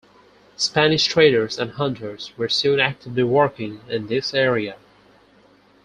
Spanish traders and hunters were soon actively working in this area.